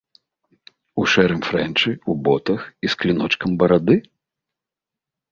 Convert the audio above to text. У шэрым фрэнчы, у ботах і з кліночкам барады?